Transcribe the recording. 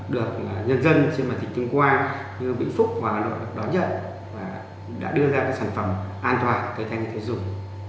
được nhân dân trên bản tình tình qua như vĩnh phúc và đón nhận và đã đưa ra các sản phẩm an toàn tới thanh niên tình dùng